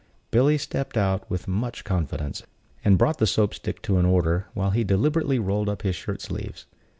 Billy stepped out with much confidence, and brought the Soap stick to an order, while he deliberately rolled up his shirt sleeves.